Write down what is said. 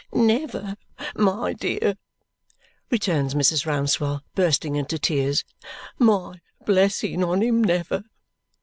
"Never, my dear!" returns Mrs. Rouncewell, bursting into tears. "My blessing on him, never!